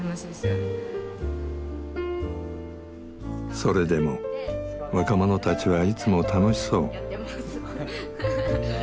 それでも若者たちはいつも楽しそう。